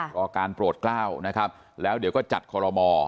รอการโปรดกล้าวนะครับแล้วเดี๋ยวก็จัดคอรมอ